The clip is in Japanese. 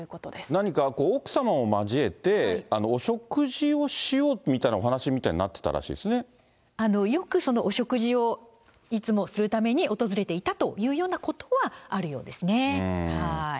何か奥様を交えてお食事をしようみたいなお話みたいになってよくそのお食事をいつもするために訪れていたというようなことはあるようですね。